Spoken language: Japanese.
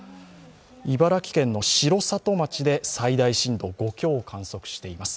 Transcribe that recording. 茨城県の城里町で最大震度５強を観測しています。